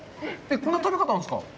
こんな食べ方あるんですか？